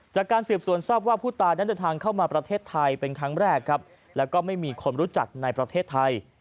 จากการสืบสวนทราบว่าผู้ตายนั้นเดินทางเข้ามาประเทศไทยเป็นครั้งแรกครับแล้วก็ไม่มีคนรู้จักในประเทศไทย